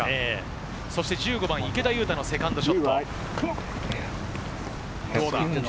１５番、池田勇太のセカンドショット。